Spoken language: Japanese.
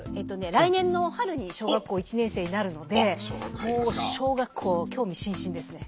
来年の春に小学校１年生になるのでもう小学校興味津々ですね。